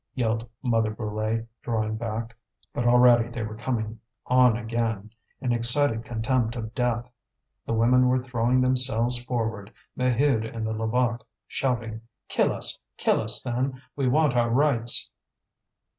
yelled Mother Brulé, drawing back. But already they were coming on again, in excited contempt of death. The women were throwing themselves forward, Maheude and the Levaque shouting: "Kill us! Kill us, then! We want our rights!"